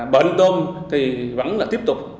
bệnh tôn thì vẫn là tiếp tục